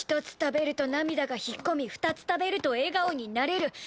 「１つ食べると涙が引っ込み２つ食べると笑顔になれる。